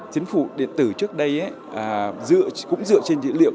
chính phủ điện tử trước đây cũng dựa trên dữ liệu